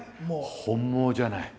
本望じゃない？